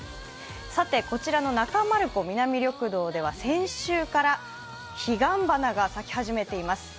さてこちらの中丸子南緑道では先週からヒガンバナが咲き始めています。